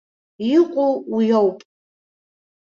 Иҟоу уи ауп.